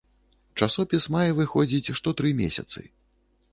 Часопіс мае выходзіць што тры месяцы.